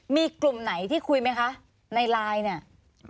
มีกลุ่มไหนที่คุยไหมคะในไลน์เนี่ย